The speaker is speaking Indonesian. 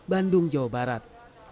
bandung jawa barat